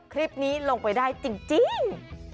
คลิปนี้ลงไปได้จริง